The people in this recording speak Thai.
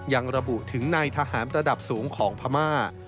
ยังระบุถึงในทหารระดับสูงของพม่า